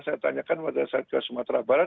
saya tanyakan pada saat ke sumatera barat